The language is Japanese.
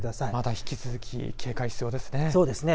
引き続き警戒が必要ですね。